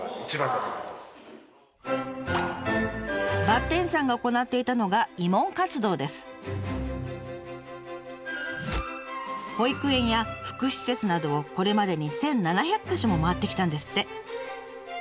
ばってんさんが行っていたのが保育園や福祉施設などをこれまでに１，７００か所も回ってきたんですって。